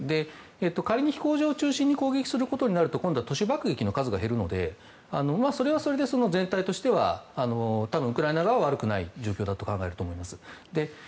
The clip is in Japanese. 仮に飛行場中心に攻撃することになると今度は都市爆撃の数が減るのでそれはそれで全体としてはウクライナ側は悪くない状況だと考えると思います。